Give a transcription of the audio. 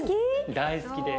大好きです。